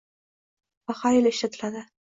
va har yili ishlatiladi